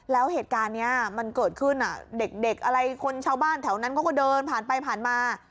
แล้วเหตุการณ์นี้มันเกิดขึ้นเด็กอะไรคนชาวบ้านแถวนั้นเขาก็เดินผ่านไปผ่านมา